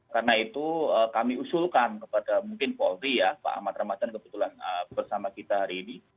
karena itu kami usulkan kepada mungkin polri ya pak ahmad ramadhan kebetulan bersama kita hari ini